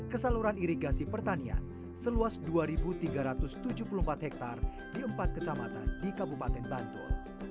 ke saluran irigasi pertanian seluas dua tiga ratus tujuh puluh empat hektare di empat kecamatan di kabupaten bantul